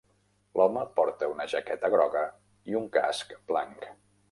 L'home porta una jaqueta groga i un casc blanc.